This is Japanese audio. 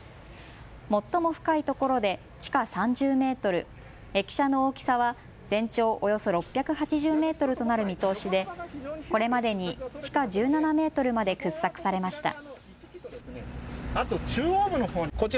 最も深いところで地下３０メートル、駅舎の大きさは全長およそ６８０メートルとなる見通しでこれまでに地下１７メートルまで掘削されました。